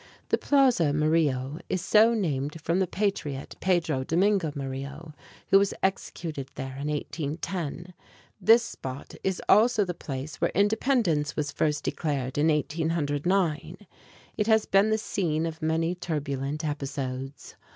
The Plaza Murillo is so named from the patriot Pedro Domingo Murillo, who was executed there in 1810. This spot is also the place where independence was first declared in 1809. It has been the scene of many turbulent episodes.